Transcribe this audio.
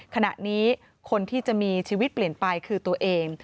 ขณะนี้คนที่จะมีชีวิตเปลี่ยนไปคือตัวเอง